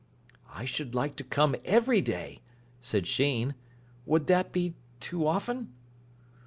"I should like to come every day," said Sheen. "Would that be too often?"